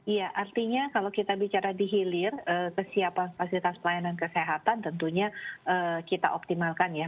iya artinya kalau kita bicara di hilir kesiapan fasilitas pelayanan kesehatan tentunya kita optimalkan ya